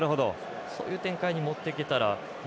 そういう展開にもっていけたら。